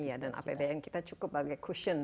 iya dan apbn kita cukup bagai cushion